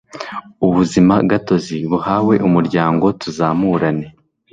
ubuzima gatozi buhawe umuryango tuzamurane